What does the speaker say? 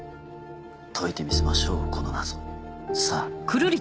解いてみせましょうこの謎を。さぁ。